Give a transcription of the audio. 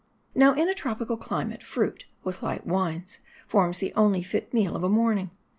Now, in a tropical climate, fruit, with light wines, forms the only fit meal of a morning.